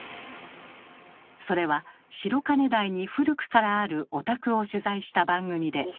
それは白金台に古くからあるお宅を取材した番組で。